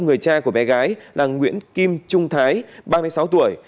người cha của bé gái là nguyễn kim trung thái ba mươi sáu tuổi